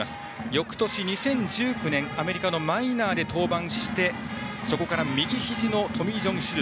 翌年２０１９年アメリカのマイナーで登板してそこから右ひじのトミー・ジョン手術。